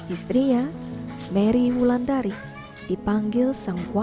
istrinya mary mulandari dipanggil sang suami